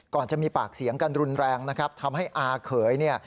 จะมีปากเสียงกันรุนแรงนะครับทำให้อาเขยเนี่ย